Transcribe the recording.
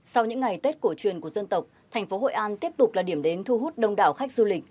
sau những ngày tết cổ truyền của dân tộc thành phố hội an tiếp tục là điểm đến thu hút đông đảo khách du lịch